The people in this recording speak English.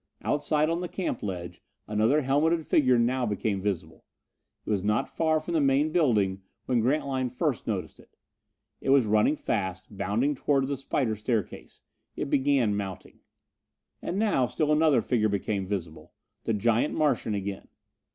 Outside, on the camp ledge, another helmeted figure now became visible. It was not far from the main building when Grantline first noticed it. It was running fast, bounding toward the spider staircase. It began mounting. And now still another figure became visible the giant Martian again.